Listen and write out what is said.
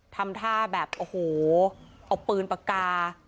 ทำท่าแบบโอ้โหเอาปืนปากกา